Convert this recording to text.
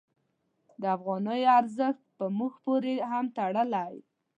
د افغانیو ارزښت په موږ پورې هم تړلی.